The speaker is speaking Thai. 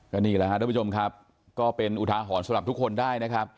นี่แหละครับทุกผู้ชมครับก็เป็นอุทาหรณ์สำหรับทุกคนได้นะครับ